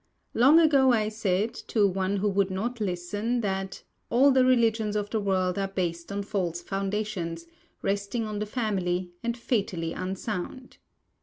Long ago I said, to one who would not listen, that "all the religions of the world are based on false foundations, resting on the Family, and fatally unsound."